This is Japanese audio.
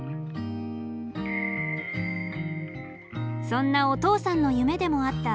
そんなお父さんの夢でもあった